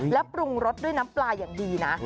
แล้วปรุงรสด้วยน้ำปลาอย่างดีนะ